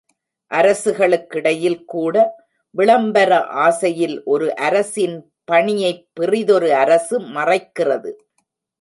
அரசுகளுக்கிடையில்கூட விளம்பர ஆசையில் ஒரு அரசின் பணியைப் பிறிதொரு அரசு மறைக்கிறது.